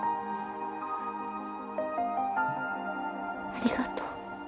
ありがとう。